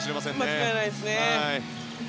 間違いないですね。